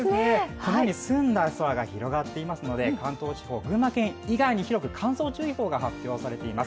このように澄んだ空気が広がっていますので、関東地方、群馬県以外に広く乾燥注意報が発表されています。